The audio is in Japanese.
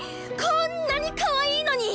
こんなにかわいいのに！